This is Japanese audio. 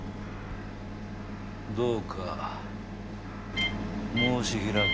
どうか申し開きを。